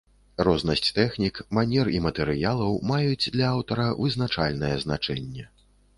Рознасць тэхнік, манер і матэрыялаў маюць для аўтара вызначальнае значэнне.